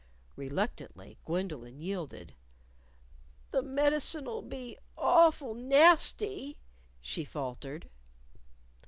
Reluctantly, Gwendolyn yielded. "The medicine'll be awful nasty," she faltered.